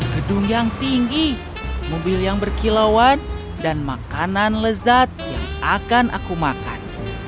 gedung yang tinggi mobil yang berkilauan dan makanan lezat yang akan aku makan